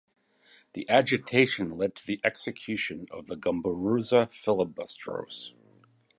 The agitation led to the execution of the "Gomburza "filibusteros".